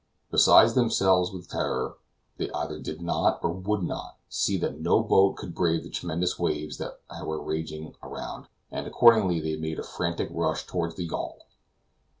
Beside themselves with terror, they either did not, or would not, see that no boat could brave the tremendous waves that were raging around, and accordingly they made a frantic rush toward the yawl.